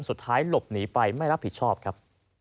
สุดท้ายหลบหนีไปไม่รับผิดชอบครับ